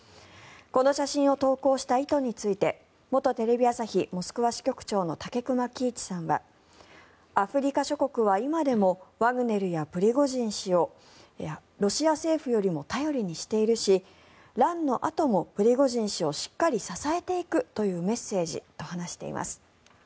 この写真を投稿した意図について元テレビ朝日モスクワ支局長の武隈喜一さんはアフリカ諸国は、今でもワグネルやプリゴジン氏をロシア政府よりも頼りにしているし乱のあともプリゴジン氏をしっかり支えていくというメッセージと話しています。